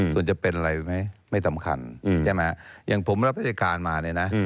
ส่วนจะเป็นอะไรไม่ต่ำคัญอย่างผมรับพระจัยการมา